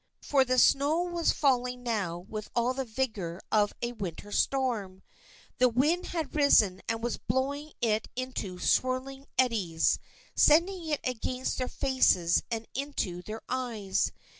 For the snow was falling now with all the vigor of a winter storm. The wind had risen and was blowing it into swirling eddies, sending it against their faces and into their eyes.